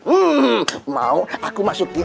hmm mau aku masukin